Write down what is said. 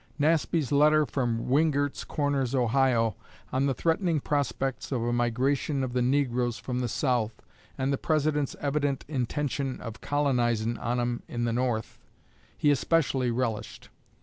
Nasby's letter from "Wingert's Corners, Ohio," on the threatening prospects of a migration of the negroes from the South, and the President's "evident intenshun of colonizin' on 'em in the North," he especially relished.